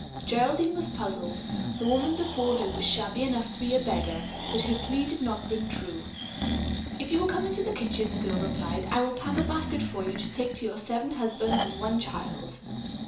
Geraldine was puzzled. The woman before her was shabby enough to be a beggar, but her plea did not ring true. "If you will come into the kitchen," the girl replied, "I will pack a basket for you to take to your seven husbands and one child."